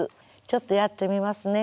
ちょっとやってみますね。